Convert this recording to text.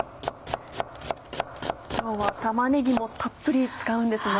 今日は玉ねぎもたっぷり使うんですね。